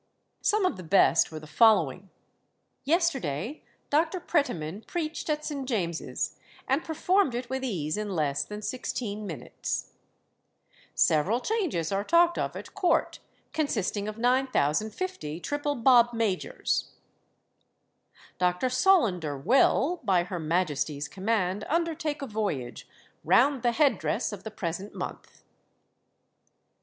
Some of the best were the following: "Yesterday Dr. Pretyman preached at St. James's, and performed it with ease in less than sixteen minutes." "Several changes are talked of at Court, consisting of 9050 triple bob majors." "Dr. Solander will, by Her Majesty's command, undertake a voyage round the head dress of the present month."